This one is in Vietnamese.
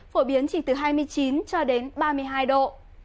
phổ biến chỉ từ hai mươi chín ba mươi hai độ